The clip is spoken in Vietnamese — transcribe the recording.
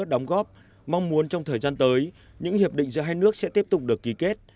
đóng góp mong muốn trong thời gian tới những hiệp định giữa hai nước sẽ tiếp tục được ký kết